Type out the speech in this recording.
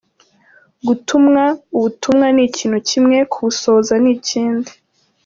Gutumwa ubutumwa ni ikintu kimwe, kubusohoza ni ikindi.